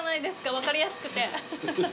分かりやすくて。